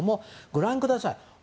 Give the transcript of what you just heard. ご覧ください。